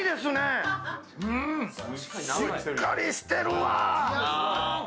しっかりしてるわ。